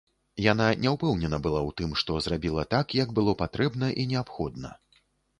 Яна не ўпэўнена была ў тым, што зрабіла так, як было патрэбна і неабходна.